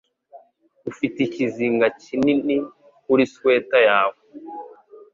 Ufite ikizinga kinini kuri swater yawe.